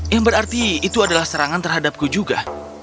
yang berarti itu adalah serangan terhadapku juga